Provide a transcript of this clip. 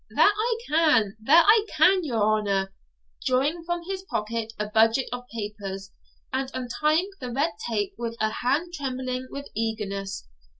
'That I can, that I can, your honour,' drawing from his pocket a budget of papers, and untying the red tape with a hand trembling with eagerness.